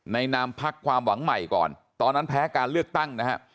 นามพักความหวังใหม่ก่อนตอนนั้นแพ้การเลือกตั้งนะฮะ